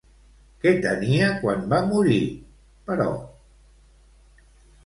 Què tenia quan va morir, però?